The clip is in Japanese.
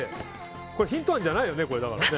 これヒントじゃないよね？